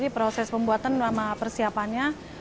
proses pembuatan sama persiapannya